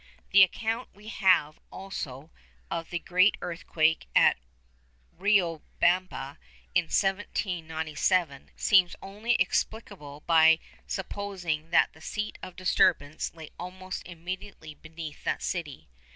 The account we have also of the great earthquake at Riobamba in 1797, seems only explicable by supposing that the seat of disturbance lay almost immediately beneath that city.